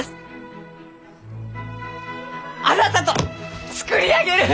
あなたと作り上げる！